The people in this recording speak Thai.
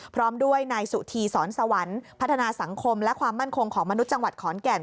พร้อมด้วยนายสุธีสอนสวรรค์พัฒนาสังคมและความมั่นคงของมนุษย์จังหวัดขอนแก่น